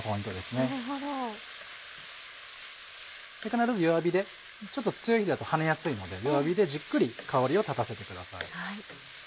必ず弱火でちょっと強い火だと跳ねやすいので弱火でじっくり香りを立たせてください。